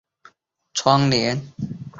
院内的米市教堂能容八百人。